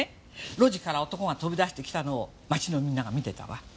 路地から男が飛び出してきたのを街のみんなが見てたわ。